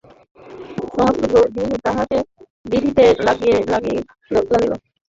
সমস্ত দিনই তাঁহাকে বিঁধিতে লাগিল।